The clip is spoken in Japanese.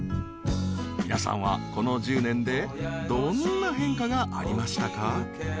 ［皆さんはこの１０年でどんな変化がありましたか？］